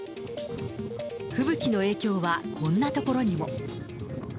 吹雪の影響はこんな所にも。